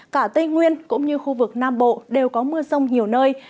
cả tây nguyên cũng như khu vực nam bộ đều có mưa rông nhiều nơi